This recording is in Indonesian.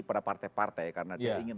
kepada partai partai karena dia ingin